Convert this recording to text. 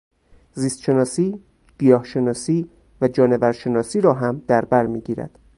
زیستشناسی، گیاه شناسی و جانور شناسی را هم در بر می گیرد.